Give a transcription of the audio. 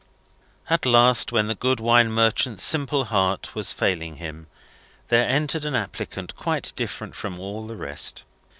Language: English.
At last, when the good wine merchant's simple heart was failing him, there entered an applicant quite different from all the rest.